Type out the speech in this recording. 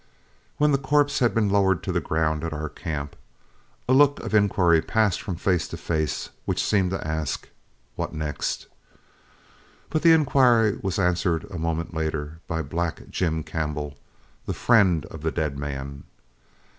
When the corpse had been lowered to the ground at our camp, a look of inquiry passed from face to face which seemed to ask, "What next?" But the inquiry was answered a moment later by Black Jim Campbell, the friend of the dead man.